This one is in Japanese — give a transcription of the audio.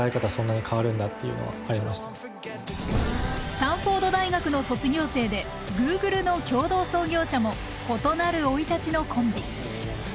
スタンフォード大学の卒業生でＧｏｏｇｌｅの共同創業者も異なる生い立ちのコンビ。